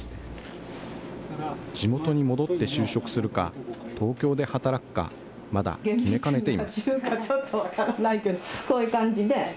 地元に戻って就職するか、東京で働くか、まだ決めかねています。